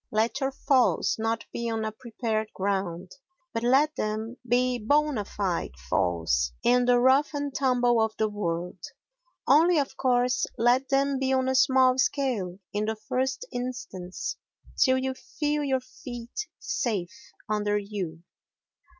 Let your falls not be on a prepared ground, but let them be bona fide falls in the rough and tumble of the world; only, of course, let them be on a small scale in the first instance till you feel your feet safe under you.